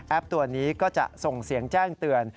ตัวนี้ก็จะส่งเสียงแจ้งเตือน